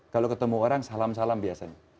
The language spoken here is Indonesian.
kalau ketemu orang salam salam biasanya